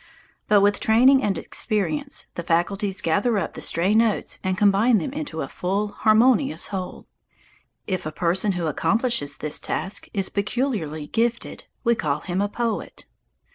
But with training and experience the faculties gather up the stray notes and combine them into a full, harmonious whole. If the person who accomplishes this task is peculiarly gifted, we call him a poet.